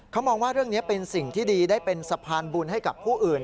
เขามองว่าเรื่องนี้เป็นสิ่งที่ดีได้เป็นสะพานบุญให้กับผู้อื่น